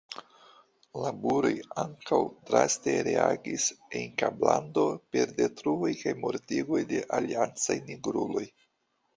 La buroj ankaŭ draste reagis en Kablando per detruoj kaj mortigoj de aliancaj nigruloj.